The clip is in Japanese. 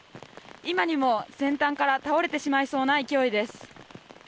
今にも先端から倒れてしまいそうな勢いです。